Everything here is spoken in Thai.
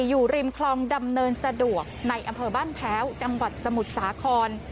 อยู่ริมคลองดำเนินสะดวกในอำเภอบ้านแพ้วจังหวัดสมุทรสาคร